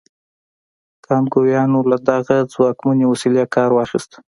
کانګویانو له دغې ځواکمنې وسیلې کار واخیست.